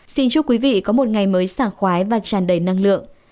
xin chúc quý vị có một ngày mới sàng khoái và tràn đầy năng lượng